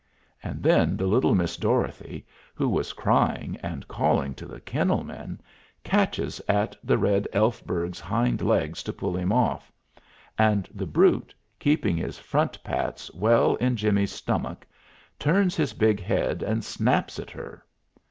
And then the little Miss Dorothy, who was crying, and calling to the kennel men, catches at the Red Elfberg's hind legs to pull him off, and the brute, keeping his front pats well in Jimmy's stomach, turns his big head and snaps at her.